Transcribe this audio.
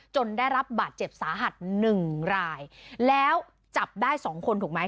ได้รับบาดเจ็บสาหัสหนึ่งรายแล้วจับได้สองคนถูกไหม